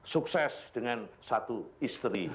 sukses dengan satu istri